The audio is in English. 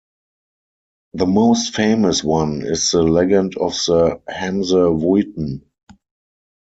The most famous one is the legend of the "Hamse Wuiten".